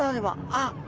あっ。